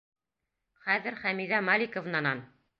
Хәҙер Хәмиҙә Маликовнанан...